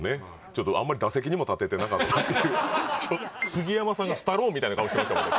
ちょっとあんまり打席にも立ててなかったっていう杉山さんがスタローンみたいな顔してましたもん